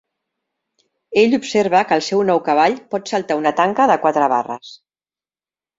Ell observa que el seu nou cavall pot saltar una tanca de quatre barres.